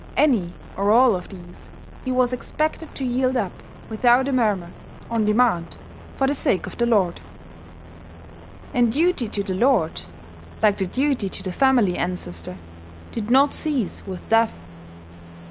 Any or all of these he was expected to yield up without a murmur, on demand, for the sake of the lord. And duty to the lord, like the duty to the family ancestor, did not cease with death.